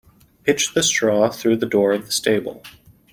Pitch the straw through the door of the stable.